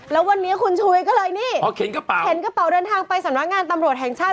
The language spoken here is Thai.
แล้ววันนี้คุณชุวิตก็เลยเนี่ยเข็นกระเป๋าเดินทางไปสำนักงานตำรวจแห่งชาติ